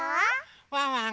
ワンワン